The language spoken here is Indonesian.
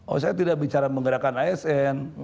oh saya tidak bicara menggerakkan asn